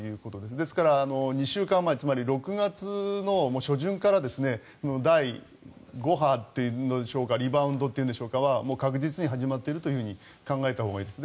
ですから、２週間前つまり６月の初旬から第５波というかリバウンドというかはもう確実に始まっていると考えたほうがいいです。